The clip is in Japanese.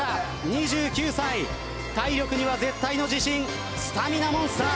２９歳体力には絶対の自信スタミナモンスター。